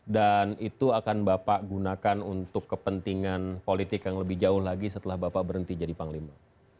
dan itu akan bapak gunakan untuk kepentingan politik yang lebih jauh lagi setelah bapak berhenti jadi panglima